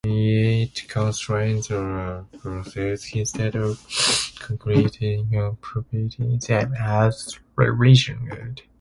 It constrains or coerces instead of conciliating or propitiating them as religion would.